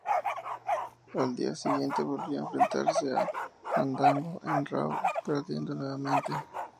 Al día siguiente volvió a enfrentarse a Fandango en "Raw", perdiendo nuevamente.